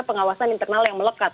pengawasan internal yang melekat